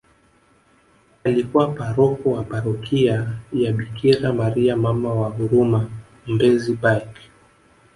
Alikuwa paroko wa parokia ya Bikira maria Mama wa huruma mbezi baech